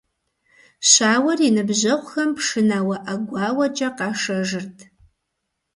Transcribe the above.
Щауэр и ныбжьэгъухэм пшынауэ, ӀэгуауэкӀэ къашэжырт.